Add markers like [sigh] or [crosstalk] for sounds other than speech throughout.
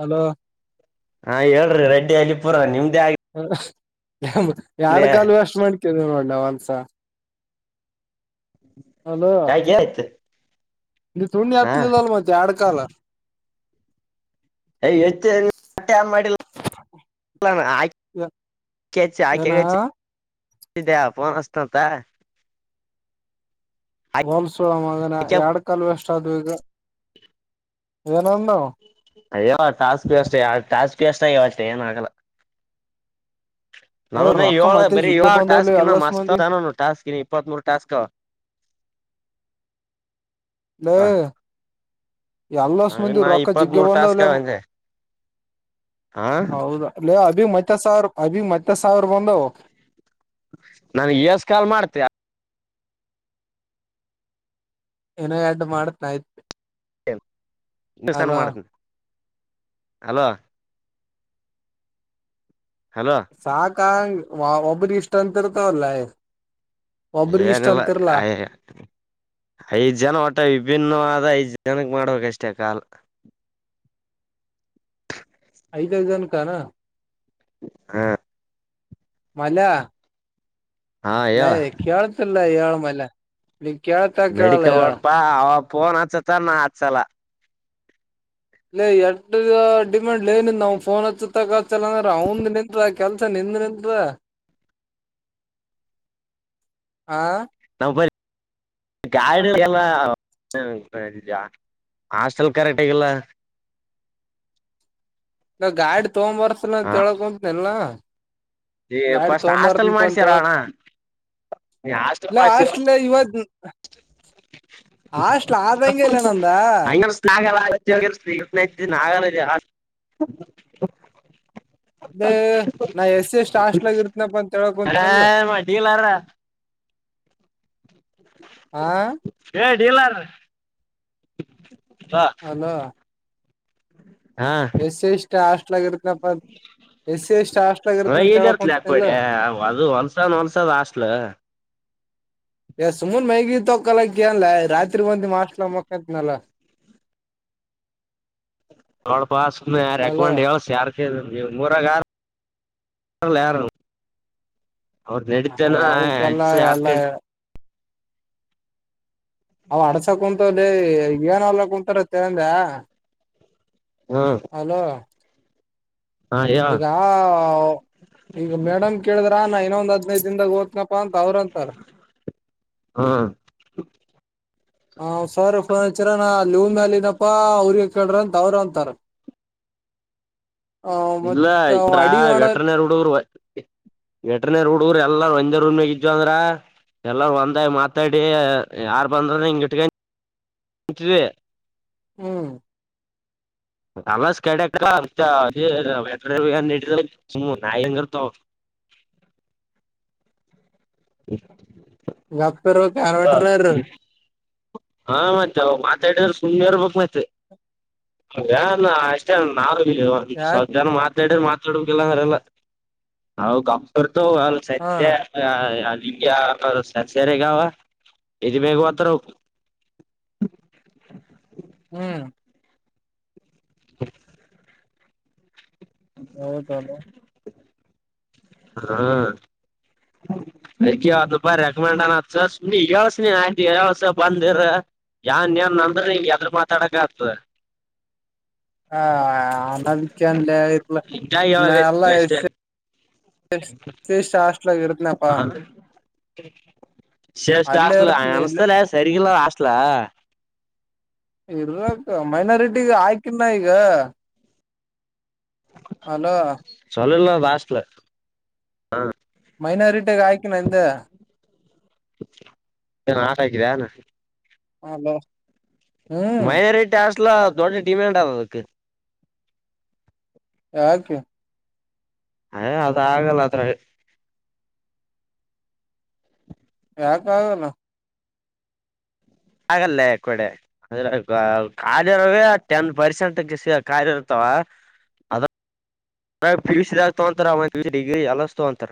hello ಹಾ ಹೇಳ್ರಿ ರೆಡ್ಡಿ ಅಲ್ಲಿ ಪೂರ ನಿಮ್ದೇ ಹೂ ಆಗ್ಲಿ ಯಾಡು ಕಾಲ್ ವೆಸ್ಟ್ ಮಾಡ್ಕೊಂಡ್ವಿ ನೋಡ್ ನಾವ್ ಒಂದು ಸಲ ಅಲೋ ಯಾಕೆ ಆಯ್ತು ನೀ ತು್ಣಿ ಹಾ ಹೆತ್ತಲಿಲ್ಲ ಮತ್ತೆ ಯಾಡು ಕಾಲ್ ಯೇ ಎತ್ತಿ ನೆಟ್ ಆನ್ ಮಾಡಿಲ್ಲ ಆಕಿ ಅಚ್ಛೇಯಾಳ ಏನ [unintelligible] ಅಚ್ಚಿದ್ಯಾ ಫೋನ್ ಅಚ್ಚತಿ ಅಂತ ಹೋಮ್ ಸೂಳೆ ಮಗ ಅದಾನ ಇವಾ ಎರಡು ಕಾಲ್ ವೆಸ್ಟ್ ಆದುವು ಈಗ ಎನ್ ಅಂದವ ಅಯ್ಯೋ ಟಾಸ್ ವೆಸ್ಟ್ ಆಗ್ಯಾವ ಅಷ್ಟೆಯಾಡು ಟಾಸ್ಕ್ ಅಷ್ಟೇ ಏನ ಆಗಲ್ಲ ಅಯ ನನ್ನು ಬೀ ರೊಕ್ಕ ಮತ್ತೆ ಏಳು ಜಿಗ್ಗೆ ಇವಾಗ ಬಂದವ್ಲಿ ಟಾಸ್ಕ್ ಎಲ್ಲಸ್ ಮಸ್ತ್ ಮಂದಿ ಟಾಸ್ಕ್ ಇಪ್ಪತ್ತ್ ಮೂರು ಟಾಸ್ಕ್ ಅವ [unintelligible] ಲೇ ಎಲ್ಲಾಸು ನಾವಿನ್ನ ಮಂದಿವು ರೊಕ್ಕಾ ಇಪ್ಪತ್ ಜೇಗ್ಗಿ ಮೂರ್ ಬಂದಾವು ಟಾಸ್ಕ್ ಲೇ ಅವ ಅಂದೆ ಹಾ ಹೌದ ಅಲ್ಲ ಅಭಿ ಮತ್ತೆ ಸಾವಿರ ಅಭಿ ಮತ್ತೆ ಸಾವಿರ ಬಂದವು ನನ್ ಯಸ್ ಕಾಲ್ ಮಾಡ್ತಯ ಇನಾ ಯಡ್ದ್ ಮಾಡ್ತೀನಿ ಆಯ್ತು ದಿವಸಾನ ಮಾಡ್ತೀನಿ ಹಲೋ ಹಲೋ ಸಾಕಂಗ ಒಬ್ರ ಇಷ್ಟ ಇರ್ತಾವ ಎನ್ ಲೇ ಏನಿಲ್ಲ ಐದ್ ಜನ ಒಟ್ಟ ವಿಭಿನ್ನವಾದ ಐದ್ ಜ ಜನಕ್ ಮಾಡ್ಬೇಕಷ್ಟೇ ಕಾಲ್ ಐದು ಐದು ಜನಕ್ಕೆ ಅನು ಹಾ ಮಲ್ಯ ಹಾ ಲೇ ಹೇಳ ಕೇಳ್ತಲ್ಲ ಹೇಳ ಮಲ್ಲ ಮೆಡಿಕಲ್ ನೋಡ್ಪಾ ಅವ ಪೋನ್ ಅಚ್ಚುತನ ನಾ ಅಚ್ಚಲ್ಲ ಲೇ ಎಟ್ಟು ಡಿಮ್ಯಾಂಡ್ ಲೇ ನಿಂನೌನ್ ಫೋನ್ ಅಚ್ಚುತಕ ಅಚ್ಚಲ್ಲ ಅಂದ್ರ ಅವಂದು ನಿಂತದ ಕೆಲ್ಸ ನಿಂದ ನಿಂತದ ಹಾ ನಾವ್ ಬರಿ ಗಾಡಿಗೆಲ್ಲ ಹ ಸರಿ ಹಾಸ್ಟೆಲ್ ಕರೆಕ್ಟ್ ಆಗಿ ಇಲ್ಲ ನಾ ಗಾಡಿ ತೊಂಬರಿಸ್ತೀನಿ ಹ ಅಂತ ಹೇಳಕುಂತಿನಿಲ್ಲ ಫಸ್ಟ್ ಹಾಸ್ಟೆಲ್ ಅಂತ ಮಾಡ್ಸಾರ ಹೇಳಕ್ ಅಣ್ಣ ನೀ ಆಷ್ಟೆಲ್ಲ ಇಲ್ಲ ಮಾಡ್ಸಿರಿ ಹಾಸ್ಟ್ಲ್ ಇವತ್ ಹಾಸ್ಟ್ಲ್ ಆದಂಗೆ ಇಲ್ಲ ನಂದ ಹಂಗ್ ಸ್ನಾಕ್ಸ್ ಆಗಲ್ಲ ಈಗ ಅದೇ ನಾ ಎಸ್ ಸಿ ಎಷ್ಟ್ ಹಾಸ್ಟ್ಲಾಗ ಇರ್ತನಪ್ಪ ಅಂತ ಹೇಳಕ್ಂತನಲ್ಲ ಆರಾಮ ಡೀಲರ್ ಹಾ ಏ ಡೀಲರ್ ಹಲೋ ಹ್ಮ ಎಸ್ಸಿ ಎಸ್ಟಿ ಅಸ್ಟೆಲಾಗ ಇರ್ತೀನಿ ಪಾ ಹಾ ಎಲ್ಲಿ ಇರ್ತಿ ಲೇ ಕೊಡಿ ಹೊಲಸನ ಹೊಲಸ ಅದ ಅಸ್ಟೆಲ್ ಎ ಸುಮನ್ ಮೈಗಿ ತಕ್ಕೋಲಾಕ್ ಎನ್ ಲೇ ರಾತ್ರಿ ಬಂದ ನಿಮ್ಮ್ ಅಸ್ಟೆಲ್ ದಾಗ್ ಮೊಕ್ಕೋತಿನಲ್ಲ ನೋಡಪ್ಪ ಅಲೋ ರೆಕ್ಮಂಡ್ ಎಸ್ ಮೂಊರಾಗ ಯಾರ ಯಾರ ಅವ್ರ ನಡೀತೇನ ಅವಕ್ಕೆಲ್ಲ ಹೆಚ್ಚ ಯಾ ಎಲ್ಲ ಅವ ಅಡ್ಸಕ್ ಕುಂತವಲೇ ಏನಲ್ಲ ಕುಂತರೆ ತಂದ್ಯ ಹ್ಮ ಅಲೋ ಹಾ ಹೇಳ ಈಗಾ ಈಗ ಮೇಡಮ್ ಕೇಳಿದ್ರ ನಾ ಇನ್ನೊಂದ್ ಹದಿನೌದು ದಿನಗಳು ದನ್ದಾಗ ಓದ್ನಪ್ಪಾ ಅಂತ ಅವ್ರಂತಾರ ಹಾ ಹ ಸರ್ ಫರ್ನಚರ ನ ಲೂಮ್ಯಾಲಿನಪ್ಪಾ ಅವ್ರಿಗೆ ಕೇಳ್ರಿ ಅಂತ ಅವ್ರ ಅಂತಾರ [inaudible] ಹ ಇಲ್ಲ ಮತ್ತ ಇದ್ರ ಅಡಿ ಮಾಡ ವೆಟ್ರನರ್ ಹುಡುಗರು ವೆಟರ್ನರಿ ಹುಡುಗ್ರು ಎಲ್ಲ ಒಂದು ರೂಮ್ ಇದ್ಧಿವಂದ್ರ ಎಲ್ಲಾರ ಒಂದಾಗ ಮಾತಾಡಿ ಯಾರ್ ಬಂದ್ರ ಹಂಗ್ ಇಟ್ಕೋಬೇಕು [unintelligible] ಹ್ಮ್ [inaudible] [unintelligible] ಹ್ಮ ಸರ ಕನ್ ವೇಟರ್ನರಿನಾ ಹಾ ಮತ್ತೆ ಮಾತಾಡಿದ್ರೆ ಸುಮ್ಮನೆ ಇರಬೇಕು ಅ ಅಷ್ಟೇ ನಾ ಯಾಕ ಸ್ವಲ್ಪ ಜನ ಮಾತಾಡಿದ್ರೆ ಮಾತಾಡಬೇಕು ಇಲ್ಲ ಅಂದ್ರೆ ಮಾತಾಡಲ್ಲ ಹಾ ಸತ್ಯ ಇಷ್ಟೇ ಸರಿಯಾಗಿ ಹವಾ ಎದಿ ಮೇಲೆ ಓ ತರ [inaudible] ಹ್ಮ್ [inaudible] [inaudible] ಹಾ ಬಾಪ ರೆಕಮೆಂಡು ಹಚ್ಚು ಸುಮ್ನೆ ಹೇಳಿ ಇರು ಯಾರು ಏನೇ ಅಂದ್ರು ಹೆದರಿ ಮಾತಾಡಬೇಕು ಆತದ [inaudible] ಹಾ ಆನದಿಕನ್ಲ್ಲಲ್ಲ ಹಿಂಗಾಗಿ ನಲ್ಲ ಹೇಳಕತ್ತೀನಿ ಅಷ್ಟೇ ಅಯಚ S C S T hostel ನಲ್ಲಿ ಇರುತ್ತೇನೆ S C S T hostel ಹಂಗ್ ಅನ್ಸ್ದ ಆದರೆ ಸರಿ ಇಲ್ಲ ಇರ್ಲಕ್ಕ ಮೈನಾರಿಟಿ ಹಾಕಿನಿ ಹಲೋ ಹಾಸ್ಟೆಲ್ ಹಾ ಮೈನಾರಿಟ್ಯಾಗ ಹಾಕಿನಿ ಅಂದೆ ಹಾಡಾಗಿದೆ ಏನು [unintelligible] ಹ್ಮ್ ಮೈನಾರಿಟಿ ಹಾಸ್ಟೆಲ್ ದೊಡ್ಡ ಡಿಮ್ಯಾಂಡ್ ಅದಕ್ಕೆ ಯಾಕೆ ಎ ಅದು ಆಗಲ್ಲ ಅದರಾಗೆ ಯಾಕ ಆಗಲ್ಲ ಹಾಗಗಲ್ಲೇ ಕೋಡಿ ಕಾಲಿ ಇರೋದೆ ಟೆನ್ ಪರ್ಸೆಂಟ್ ಖಾಲಿ ಇರ್ತವಾ ಅ [unintelligible] ಪಿಯುಸಿದಾಗ ತಗೋತಾರೆ ಮತ್ತು ಎಲ್ಲ ಡಿಗ್ರಿ ಏರ್ಲೈನ್ಸ್ ತೊಗೊಂತಾರ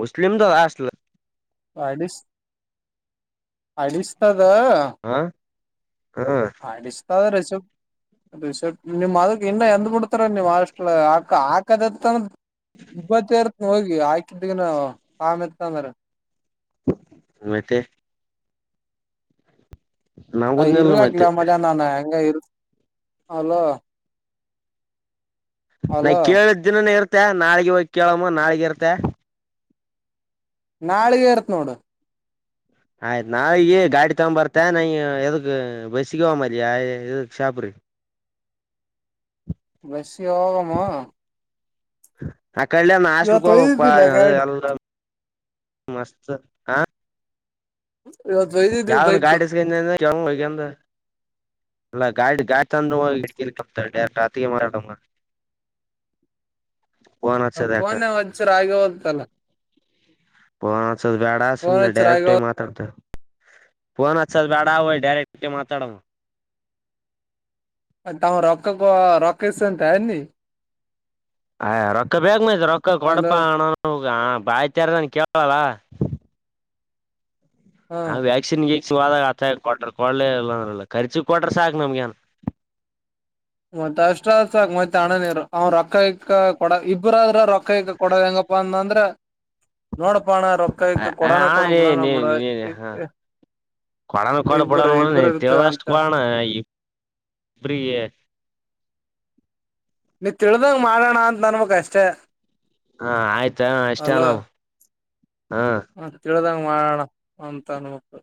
ಮುಸ್ಲಿಂ ದು ಹಾಸ್ಟೆಲ್ [unintelligible] ಅಡಿಸ್ತದ ಹ ಹ ಅಡಿಸ್ತದ ರಿಸಿಪ್ಟ್ ನಿಮ್ ಅದಕ್ ಇನ್ನ ಎಂದ್ ಬಿಡ್ತಾರ ನೀಮ್ ಅಡಿಸ್ತದ ಒಳಗ ಹಾಕ ಹಾಕದತ್ತಂದ ಇಬ್ಬತ್ತರ್ತ್ ಹೋಗಿ ಆಕಿದಗನ ಕಾಮ ಇತ್ತಂದ್ರ ಮತ್ತೆ ನಾ ಬಂದಿಲ್ಲ ಇರ್ಲಕ್ಲ ಮತ್ತೆ ಮಗ ನಾನ ಹೆಂಗ ಇರ್ ಹಲೋ ನಾ ಕೇಳಿದ್ದ ದಿನಾನೇ ಇರ್ತ ನಾಳಗ ಹೋಗಿ ಕೇಳಮ್ಮ ನಾಳಗ ಇರ್ತೆ ನಾಳಿಗೆ ಇರ್ತ್ ನೋಡು ಆಯ್ತು ನಾವ ಈಗ ಗಾಡಿ ತಗೊ್ ಬರ್ತೆೇ ನ ಎದಗ್ ಬಸ್ ಹೋಗ ಬರ್ರಿ ಶಾಪ ರೀ [inaudible] ಬಸ್ಸಿಗೆ ಹೋಗಮು ಅಕ್ಕಡಲ್ಲ ಹಾಸ್ಟೆಲ್ಗೆ ಹೋಗಬೇಕು ಬಾ ಒಯ್ದಿದ್ದಿಲ್ಲ [unintelligible] ಅ ಗಾಡಿ ಎಲ್ಲ ಮಸ್ತ್ ಹಾ ಇವತ್ ಒಯ್ದಿದ್ವಿ ಯಾವ್ದನ್ ಬೈಕ್ ಗಾಡಿಸಕ ಹಗಂದ ಅಲ್ಲಾ ಗಾಡಿ ಗಾಡಿ ತಂದ್ರ ಗಿಡ್ಕಿ ಕ್ತ ಡೈರೆಕ್ಟ್ ಆತಿಗೆ ಮಾರಾಡಂಗ ಆ ಯಾಕ ಫೋನೆ ಹಚ್ಚಿದರೆ ಹಾಗೆ ಹೋಯ್ತಲ್ಲ ಫೋನ್ ಅಚ್ಚು ಬ್ಯಾಡ ಸುಮ್ನೆ ಡೈರೆಕ್ಟ್ ಹಚ್ಚರಾಗ ಮಾತಾಡ್ತಾರೆ ಫೋನ್ ಹಚ್ಚು ಬೇಡ ಹೋಗಿ ಡೈರೆಕ್ಟಾಗಿ ಮಾತಾಡೋನ ಅಂತ ರೊಕ್ಕಕ ರೊಕ್ಕ ಇಸ್ಕೊತಿಯ ನೀ ಹ ರೊಕ್ಕ ಬೇಗ ಮತ್ತೆ ರೊಕ್ಕ ಅಲ ಕೊಡುಪ ಅಣ ಅಂತ ಬಾಯ್ತಾರದನ್ ಕೇಳವಲ್ಲ ಹಾ ಅಂತ ವ್ಯಾಕ್ಸಿನ್ಗೆ ದಾಗ ಆಥ ಕೊಟ್ರ ಕೊಳ್ಳೇ ಇಲ್ಲಂದಲ್ಲ ಕಖರ್ಚಿ ಕೊಟ್ರ ಸಾಕಕ್ ನಮ್ಗೆನ ಮತ್ತತ್ ಅಷ್ಟ ಸಾಕಕ್ ಮತ್ತೆ ಹಣ ನೀರು ಅವ್ ರೊಕ್ಕಾಯಕ್ಕ ಕೊಡ ಇಬ್ಬ್ರಾದ್ರ ರೊಕ್ಕ ಇಕ್ಕ ಕೊಡದ ಹೆಂಗ ಬಂದಂದ್ರೆ ನೋಡಪ್ಪಣ್ಣ ರೊಕ್ಕಾಯಕ ಕೊಡೋಣ ಕೊಡ ಬಿಡಣ ನೀ ಬಿಡ ನೀ ನೀ ಹ ಕೊಡನ ಕೊಡ ಇಬ್ಬರು ಬಿಡಣಡ ಇಬ್ಬರು ನೀನು ಇರ್ತ ತಿಳಿದಷ್ಟು ಅಂತ ಕೊಡೋಣ ಇಬ್ಬರಿಗೆ ನೀ ತಿಳ್ದಂಗ ಮಾಡೋಣ ಅಂತ ನನ್ ಬೇಕ್ ಅಷ್ಟೇ ಹಾ ಆಯ್ತಾ ಎಷ್ಟ ನವು ತಿಳಿದಂಗ ಮಾಡೋಣ ಅಂತ ಅನ್ನಬೇಕು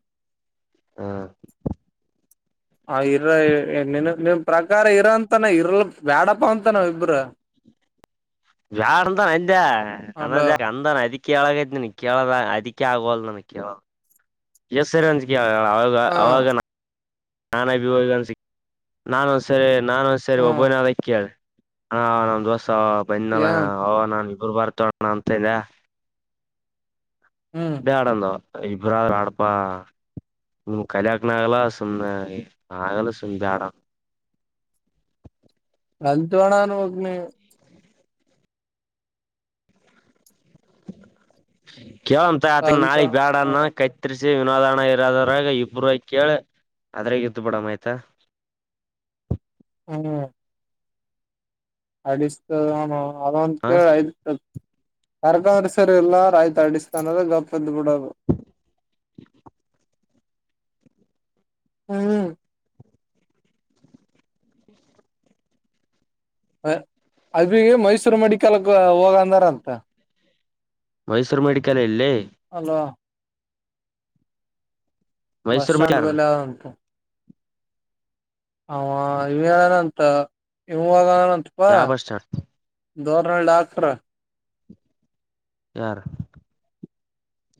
[unintelligible] ಹ ಇರ ನಿನ್ ನಿನ್ ಪ್ರಕಾರ ಇರಂತಾನ ಇರಲ್ ಬ್ಯಾಡಪ್ಪ ಅಂತನಾವ ಇಬ್ರ [inaudible] ಅಲ [unintelligible] ಕೇಳಗೈ ನನ್ ಕೇಳದ ಅದಕ್ಕೆ ಆಗೋಲ್ ನನ್ಗ್ ಕೇಳಂದ ಎಷ್ಟ್ ಸರಿ ಅವ ಹಾ ಅವಾಗ ನನ್ ಅಭಿ ಸಿ ನಾನ ಒಂದ್ಸರಿ ನಾನ ಒಂದ್ ಸರಿ ಹ್ಮ್ ಒಬ್ಬನ ಅದ ಕೇಳ ಅಣ್ಣ ನಮ್ ದೋಸ ಅವ ಬಂದ ಏನ್ ಅವ ನಾನ ಇಬ್ರು ಬರ್ ತೋೋಣ ಅಂತ ಇಲ್ಲ ಹ್ಮ್ ಬಾಡಂದ ಇಬ್ರಾ ಆಡಪಾ ನಿಮ್ ಕಲ್ಯಕ್ನ ಆಗಲ್ಲ ಸುಮ್ನೆ ಆಗಲ್ಲ ಸುಮ್ಮ್ ಬೇಡ ಅಲ್ತ್ವಣಾನ ಒೋಗ ನೀ ಕೇಳಂತ ಆತಂಗ ಅಂತ ನಾಳಿಗ್ ನೋಡ ಬ್ಯಾಡನ್ನ ಕೈತ್ ವಿನೋದಣ ಇರೋದ್ರಾಗ ಇಬ್ಬರ ಕೇಳ ಅದ್ರ ಎ್ದು ಬಿಡಮ ಆಯ್ತಾ ಹ್ಮ್ ಅಡಿಸತ ಅದ ಒಂದು ಹ ಕೇಳ ಐ ಕರಕಂದ್ರಸರ್ ಎಲ್ಲ ರಾಯತ ಅಡಿಸ್ತಾನ ಗಪ್ಪದ ಬಿುಡವು [unintelligible] ಹ್ಮ್ ಅದ ಮೈಸೂರು ಮೆಡಿಕಲ್ಕ್ ಹೋಗಂದಾರಂತ ಮೈಸೂರು ಮೆಡಿಕಲ್ ಎಲ್ಲಿ ಅಲ್ವಾ ಮೈಸೂರ್ ಬಸ್್ಟಾಂಡ್ ಯಾರ್ದ ಬೆಲ್ಲ ಉಂಟು ಹ ಇವನಂತ ಇವಾಗ ಯಾವ ಬಸ್ ನಿಲ್ದಾಣ ಧೋರಣ ಾಕರ ಯಾರ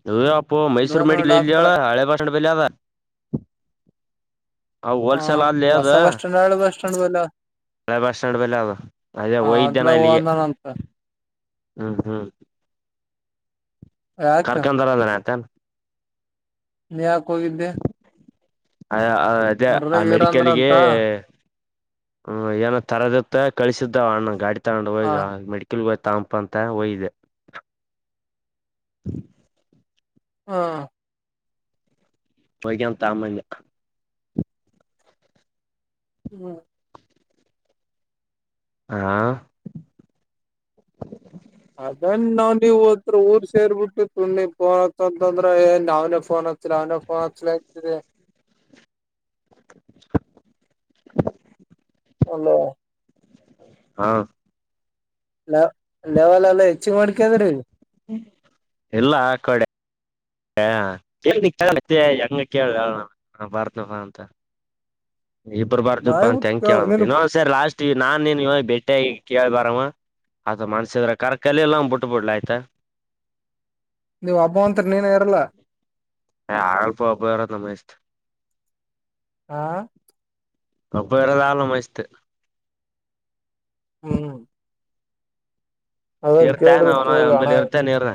ಇ ಮೈಸೂರು ದೋರ್ನಳ್ಳಿ ಮೆಡಿಕಲ ಇಲ್ಲಿಳ ಡಾಕ್ಟ್ರ ಹಳೆಪಾಷ ಪದ ಹ ಹೊಸ ಬಸ್್ಟಾಂಡ್ ಆಳ ಬಸ್್ಟಾಂಡ್ ಬಲ ಹಳೆ ಬಾಸ್ಡ್ ಬಲ್ಲ ಅ ಅದೇ ಹಯ್ದಾನ ಅದ್ರಾಗ ಅಲ್ಲಿಗೆ ಹೋಗಂದಾನಂತ ಹ್ಮ ಹ್ಮ ಯಾಕ ಕರ್ಕೊಂಡ್ರ ಅಂದ್ರೆ ಆಯತ ನೀ ಯಾಕ ಹೋಗಿದ್ದೆ ಅದೇ ಆ ಹೊರ್ದಾಗ ಇರಂದ್ರ ಮೆಡಿಕಲ್ಗೆ ಅಂತ ಹ್ಮ್ ಏನ ತರದಿತ್ತ ಕಳಿಸಿದ್ದ ಅಣ್ಣ ಗಾಡಿ ತಗೊಂಡ್ ಹ ಹೋಗಗ ಮೆಡಿಕಲ್ಗ ಹ ತಂಪ ಅಂತ ಒಯಿದೆ ಹ್ಮ ಹೋಗಗನ್ ತಾಮಲ್ಲ ಹ್ಮ್ ಹಾ ಅದನ್ ನಾವ್ ನೀವ್ ಹತ್ರ ಊರ್ ಸೇರ್ಬಿಟ್ಟು ಸುಗ್ ಫೋನ್ ಹತ್ತ ಅಂತಂದ್ರ ಏನ್ ನ ಅವ್ನ ೋನ್ ಹಕ್ತಿ ಅವನ ಫೋನ್ ಹತ್ಲತರಿ [unintelligible] ಅಲ್ಲ ಹಾ ಲೆ ಲೆವೆಲ್ ಎಲ್ಲ ಹೆಚ್ಚ ಮಾಡ್ಕದ್ರಿ ಎಲ್ಲಾ ಕಡೆ ಹ ಕೇಳ ಮ ಹೆಂಗ ಕೇಳ ಭಾರತಪ ಅಂತ ಇಬ್ರು ಬರ್್ದಪ್ಪಾ ಅ ಂಕ್ ಮಾಡ್ಬಿಟ್ಟು ಕೇಳಿ ನೀನು ಇೊ್ ಸರಿ ಲಾಸ್ಟ್ ನಾನ್ ನೀನ್ ಇ ಬೆಟ್ಟೆ ಕೇಳಿ ಬರವ ಆತ ಮನ್ಸಿದ್ರ ಕರಕಲೆ ಎಲ್ಲ ಬಿಟ್ಟ ಬಿಡ್ಲ ಆಯ್ತಾ ನೀವ ಹಬ್ಬ ಅತ್ರಿ ನೀನ ಇರಲ್ಲ ಆ ಅಲ್ಪ ಅಬ್ಬಾರ ನಮ್ಮ ಇಷ್ಟ ಹಾ ಅಪ್ಪ ವರದ ಆಳ ಮಸ್ತ್ ಹ್ಮ್ ಅದ ನೀರ್ತೇ ನ ಕೇಳ್ರಿ ತೋಗಿ ಹಣ ಅವಲೆ ಇರ್ತೇ ನೀರ್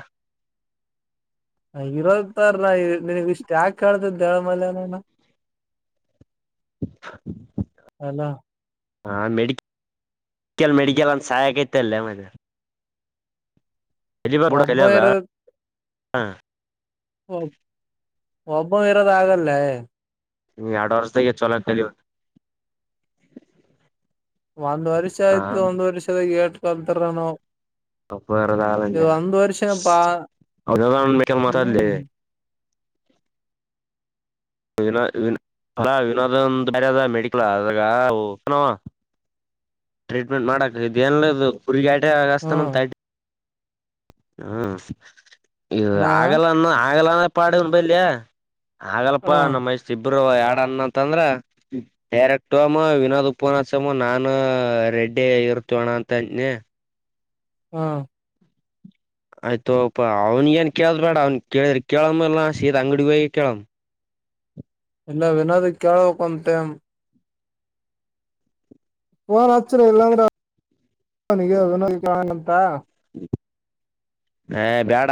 ಇರತಾರ ನೀವ ಇಷ್ಟ್ ಯಾಕ ಕೇಳ್ತದ ದಳ ಮಲ್ನನ ಅಲ್ಲ ಹಾ ಮೆಡಿಕ ಮೆಡಿಕಲ್ ಮೆಡಿಕಲ್ ಅಂತ ಸಹಾಯಕೈತಲ್ಲೇ ಮತ್ತೆ ಹೆಜಿಬಾಬ ಕೂಡ ಒಬ್ಬ ಕಲಯದಾ ಇರದ ಹಾಂ ಒಬ್ಬ ವಿರೋದ ಆಗಲ್ಲೇ ನಿ ಅಡ್ವಷ ಚಲಲ್ಲಿ ಒಂದ್ ವರ್ಷ ಆಯ್ತು ಒಂದ್ ವರ್ಷದಾಗ ಏಟ್ಕೊಲ್ತರನು ಅ ವೇರ ತಾಳಲ್ಲ ವರ್ಷನಪಾ ಹೌದಲ್ಲ ನಬೇಕೇಕಲ್ಲ ಮಾತಾಡ್ಲಿ ಹ್ಮ್ ವಿನ್ ಅಲ ವಿನೋದನ್ ಬದ ಮೆಡಿಕಲ್ ಆದಾಗನ ಟ್ರೀಟ್ಮೆಂಟ್ ಮಾಡಕಕ್ ಇದೇನದು ಹುರ್ಗ ಆಟ ಆಗಸ್ತಾನ ಹ್ಮ್ ಹ್ಮ್ ಇ ಅನಾ ಆಗಲ್ಲ ಆಗಲ ಪಾಡ ಬಲ್ ಹಾಗಲ್ಲಪ್ಪಾ ಹ್ಮ್ ನಮ್ಮ ಸಿಬ್ ಒಬ್ರು ಎಡನ್ನ ಅಂತಂದ್ರ ಡೈರೆಕ್ಟ ಅಮ್ಮ ವಿನೋದ್ ಉಪನ್ಯಾಸಮ್ಮ ನಾನನ್ ಆ ರೆಡ್ಡಿ ಆಐರ್ತೋಣ ತನ್ನ ಹ್ಮ್ ಆಯ್ತು ಹಪ ಅವನ್ ಏನ್ ಕೇಳ್ದ್ ಬೇಡ ಅವ್ನ್ ಕೇಳಿದ್ರ ಕೇಳಮ್ಮಲ್ಲಾ ಸೀದಾ ಅಂಗಡಿ ಹೋಗಿ ಕೇಳಮ್ಮ ಇಲ್ಲ ವನೋದ್ ಕೇಳ್ಬೇಕಕ್ ಅಂತ ಫೋನ್ ಹಚ್ಚರ ಇಲ್ಲಾಂದ್ರೆಗ ವಿನೋಂತ ಹ ಬೇಡ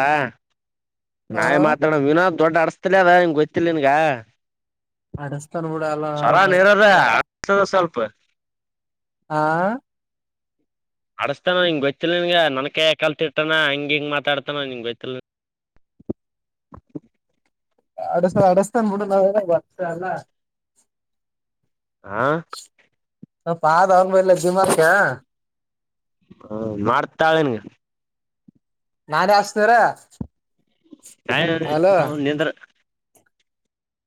ಹ ನಾವೇ ಮಾತಾಡೋ ವಿನೋದ್ ದೊಡ್ಡ ಆಡಸ್ತಿಲ ಅದ ನಿಂಗ ಗೊಯ್ತಿಿಲ್ಲ ನಿನ್ಗ ಅಡಸ್ತಾನ ಬಿಡ ಅಲ್ಲ ಚರ ನಾವ್ ನೀರದ ಅಸದ ಸ್ವಲ್ಪ ಆ ಆಡಿಸತಾನ ಹಂಗೆೊತ್ತಿಲ್ಲ ನಿಂಗೆ ನನನ್ಗೆ ಕಲ್ತಿ ಇರ್ತಾನ ಹಂ ಹಿಗೆ ಮಾತಾಡ್ತಾನೆ ನಿಂಗೆ ಗೊತ್ತಿಲ್ಲ ಅಡ ಅಡಸ್ತಾನ ಮಟ್ಟ ನ ಹಾ ಹ ಪಾದ ಅವ ಮ ಇಲ್ಲ ಜಿಮಾ ಆತಾ ಹಾ ಮಾಡ್ತಾಳನ್ಗೆ ನಾಾನ ಆಸ್ತರ ನಿರ